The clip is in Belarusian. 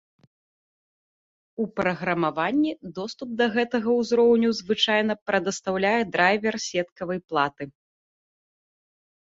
У праграмаванні, доступ да гэтага узроўню звычайна прадастаўляе драйвер сеткавай платы.